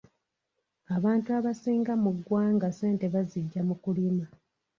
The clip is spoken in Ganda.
Abantu abasinga mu ggwanga ssente baziggya mu kulima.